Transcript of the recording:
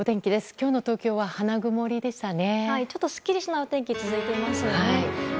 今日の東京は花曇りでしたね。